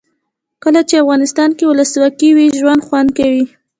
کله چې افغانستان کې ولسواکي وي ژوند خوند کوي.